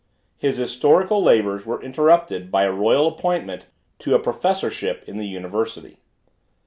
His historical labors were interrupted by a royal appointment to a professorship in the University.